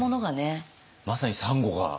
まさにサンゴが。